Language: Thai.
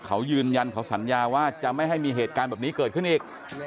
เขายืนยันเขาสัญญาว่าจะไม่ให้มีเหตุการณ์แบบนี้เกิดขึ้นอีก